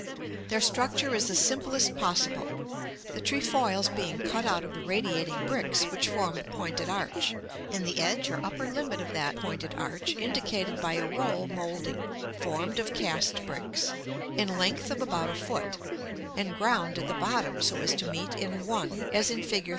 Their structure is the simplest possible; the trefoils being cut out of the radiating bricks which form the pointed arch, and the edge or upper limit of that pointed arch indicated by a roll moulding formed of cast bricks, in length of about a foot, and ground at the bottom so as to meet in one, as in Fig.